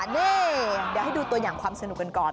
นี่เดี๋ยวให้ดูตัวอย่างความสนุกกันก่อน